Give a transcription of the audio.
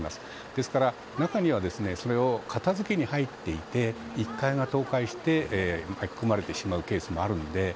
ですから、中にはそれを片付けに入っていて１階が倒壊して巻き込まれてしまうケースもあるので。